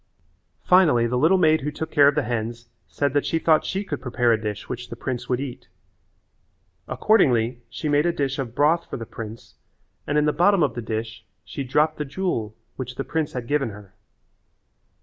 Finally the little maid who took care of the hens said that she thought she could prepare a dish which the prince would eat. Accordingly she made a dish of broth for the prince and in the bottom of the dish she dropped the jewel which the prince had given her.